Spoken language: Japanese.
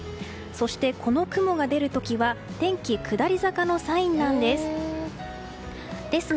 そして、この雲が出る時は天気下り坂のサインなんです。